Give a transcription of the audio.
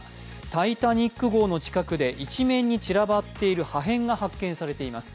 「タイタニック」号の近くで一面に散らばっている破片が発見されています。